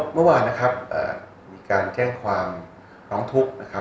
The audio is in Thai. เมื่อวานนะครับมีการแจ้งความร้องทุกข์นะครับ